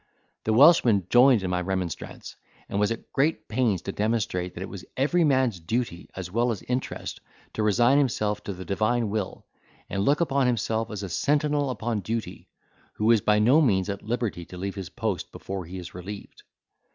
The Welshman joined in my remonstrance, and was at great pains to demonstrate that it was every man's duty as well as interest to resign himself to the divine will, and look upon himself as a sentinel upon duty, who is by no means at liberty to leave his post before he is relieved.